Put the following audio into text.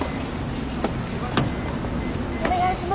お願いします。